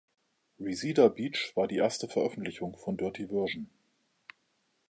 „Reseda Beach“ war die erste Veröffentlichung von Dirty Version.